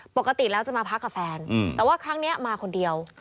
ปกติแล้วจะมาพักกับแฟนแต่ว่าครั้งนี้มาคนเดียว